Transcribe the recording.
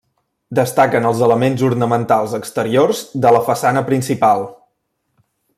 Destaquen els elements ornamentals exteriors de la façana principal.